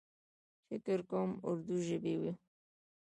فکر کوم اردو ژبۍ و.